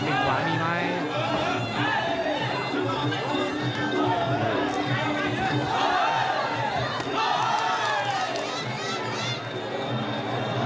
มีติงขวานี่ไหม